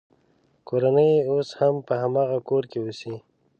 کورنۍ یې اوس هم په هماغه کور کې اوسي.